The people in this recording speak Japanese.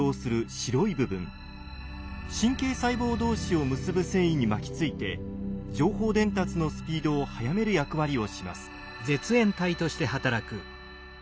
神経細胞同士を結ぶ線維に巻きついて情報伝達のスピードを速める役割をします。